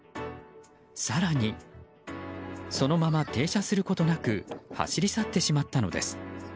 更に、そのまま停車することなく走り去ってしまったのです。